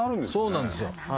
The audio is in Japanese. そうなんですよ。